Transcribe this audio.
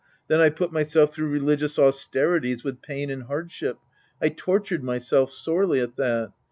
Then I put myself through religious austerities with pain and hardship. I tortured myself sorely at that.